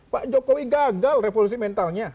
pak jokowi gagal revolusi mentalnya